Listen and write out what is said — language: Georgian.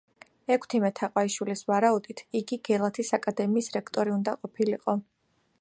ექვთიმე თაყაიშვილის ვარაუდით, იგი გელათის აკადემიის რექტორი უნდა ყოფილიყო.